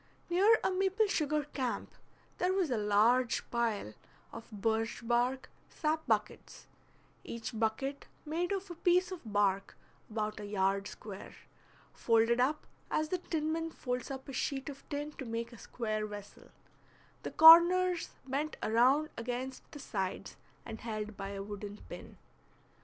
Near a maple sugar camp there was a large pile of birch bark sap buckets, each bucket made of a piece of bark about a yard square, folded up as the tinman folds up a sheet of tin to make a square vessel, the corners bent around against the sides and held by a wooden pin.